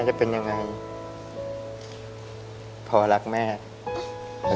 แม่จะเป็นยังไงพอรักแม่ก็จะอยู่ไปกันตลอด